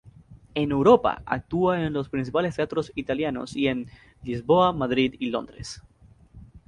En Europa actúa en los principales teatros italianos, y en Lisboa, Madrid y Londres.